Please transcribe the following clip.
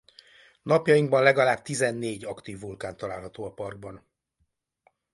Napjainkban legalább tizennégy aktív vulkán található a parkban.